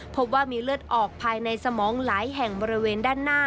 พบว่ามีเลือดออกภายในสมองหลายแห่งบริเวณ